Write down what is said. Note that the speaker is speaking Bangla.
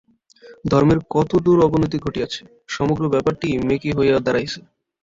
ধর্মের কতদূর অবনতি ঘটিয়াছে! সমগ্র ব্যাপারটিই মেকী হইয়া দাঁড়াইয়াছে।